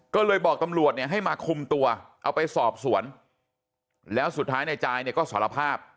ก็เลยบอกตำรวจเนี่ยให้มาคุมตัวเอาไปสอบสวนแล้วสุดท้ายในจายเนี่ยก็สารภาพ